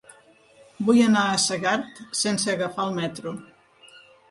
Vull anar a Segart sense agafar el metro.